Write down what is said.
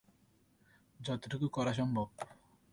যতটুকু করা সম্ভব।